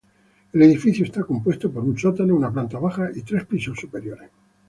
El edificio está compuesto por un sótano, una planta baja, y tres pisos superiores.